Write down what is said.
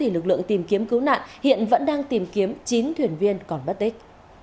lực lượng tìm kiếm cứu nạn hiện vẫn đang tìm kiếm chín thuyền viên còn bất tích